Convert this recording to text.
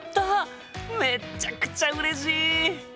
めっちゃくちゃうれしい！